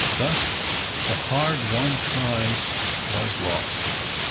Thus the hard won prize was lost.